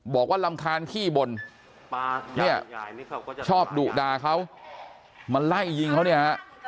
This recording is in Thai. บอกว่าลำคาญขี้บนเนี่ยชอบดุดาเขามาไล่ยิงเขาเนี่ย